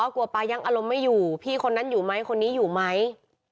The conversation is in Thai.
กลัวปลายังอารมณ์ไม่อยู่พี่คนนั้นอยู่ไหมคนนี้อยู่ไหม